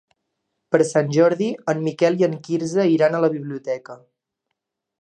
Per Sant Jordi en Miquel i en Quirze iran a la biblioteca.